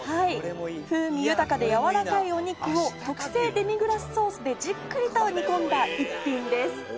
風味豊かで柔らかいお肉を特製デミグラスソースでじっくりと煮込んだ一品です。